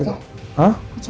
gak ada apa apa